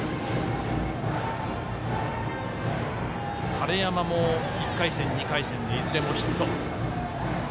晴山も１回戦、２回戦でいずれもヒット。